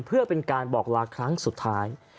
เพื่อเป็นการบอกลาครั้งสุดท้าย